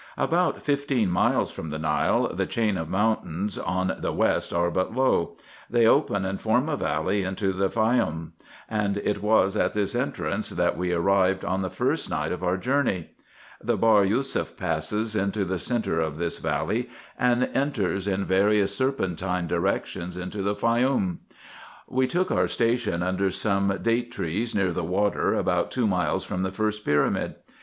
About fifteen miles from the Nile? the chain of mountains on the west are but low. They open and form a valley into the Faioum ; and it was at this entrance that we arrived on the first night of our journey. The Bahr Yousef passes 3 c 378 RESEARCHES AND OPERATIONS into the centre of tins valley, and enters, in various serpentine directions, into the Faioum. We took our station under some date trees near the water, about two miles from the first pyramid.